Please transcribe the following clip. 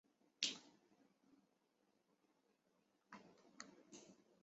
国务大臣主持四人政府委员会。